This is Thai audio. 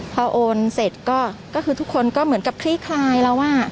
พอโอนเสร็จก็คือทุกคนก็เหมือนกับคลี่คลายแล้วว่า